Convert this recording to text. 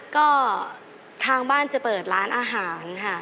ก็ทางบ้านจะเปิดร้านอาหารค่ะ